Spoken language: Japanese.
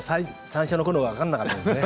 さんしょうのころは分からなかったですね。